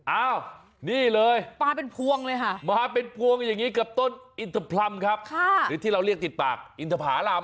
อ้าวนี่เลยมาเป็นพวงอย่างนี้กับต้นอินทภพรัมครับหรือที่เราเรียกติดปากอินทภพราม